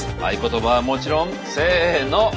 合い言葉はもちろんせの！